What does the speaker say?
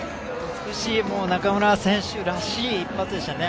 美しい、中村選手らしい一発でしたね。